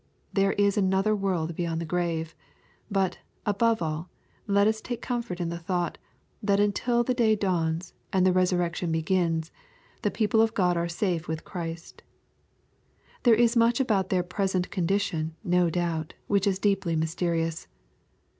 There is another world beyond the grave. But, above all, let us take comfort in the thought, that until the day dawns, and the resur rection begins, the people of God are. 4safe with Christ. There is much about their present condition, no doubt, which is deeply mysterious.